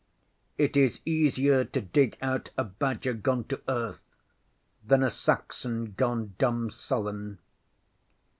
It is easier to dig out a badger gone to earth than a Saxon gone dumb sullen.